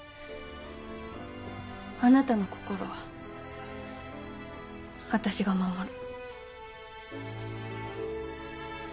あなたの心はわたしが守る。